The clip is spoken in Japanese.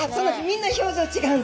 みんな表情違うんです。